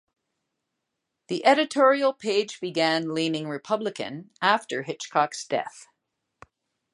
The editorial page began leaning Republican after Hitchcock's death.